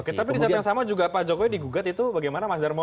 oke tapi di saat yang sama juga pak jokowi digugat itu bagaimana mas darmo